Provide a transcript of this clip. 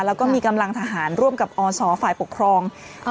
แล้วก็มีกำลังทหารร่วมกับอศฝ่ายปกครอง